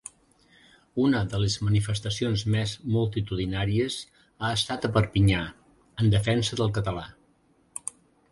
Una de les manifestacions més multitudinàries ha estat a Perpinyà, en defensa del català.